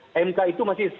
mk itu masih sangat terganggu